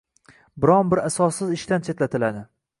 biron bir asossiz ishdan chetlatiladi.